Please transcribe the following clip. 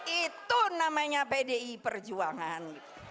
itu namanya pdi perjuangan